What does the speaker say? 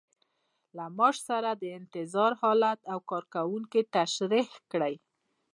له معاش سره د انتظار حالت او کارکوونکي تشریح کړئ.